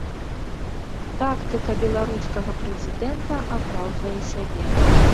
Тактыка беларускага прэзідэнта апраўдвае сябе.